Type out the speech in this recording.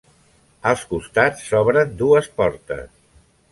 Als costats s'obren dues portes.